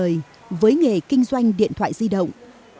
nói về cuộc đời với nghề kinh doanh điện thoại di động